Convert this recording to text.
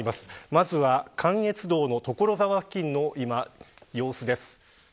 まずは関越道の所沢付近の今の様子です。